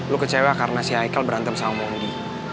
lo kecewa karena si aikal berantem sama mondi